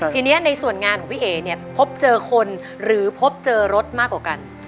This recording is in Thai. ทีนี้ในส่วนงานของพี่เอ๋เนี่ยพบเจอคนหรือพบเจอรถมากกว่ากัน